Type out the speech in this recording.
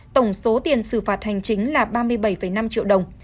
tổng số tiền xử phạt hành chính là ba mươi bảy năm triệu đồng